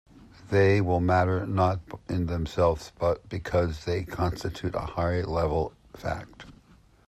They will matter, not in themselves, but because they constitute the higher level fact.